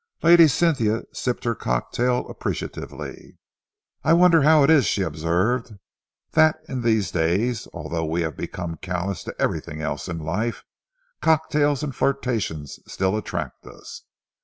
Lady Cynthia sipped her cocktail appreciatively. "I wonder how it is," she observed, "that in these days, although we have become callous to everything else in life, cocktails and flirtations still attract us.